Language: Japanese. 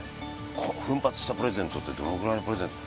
こう奮発したプレゼントってどのぐらいのプレゼント？